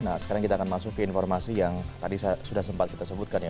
nah sekarang kita akan masuk ke informasi yang tadi sudah sempat kita sebutkan ya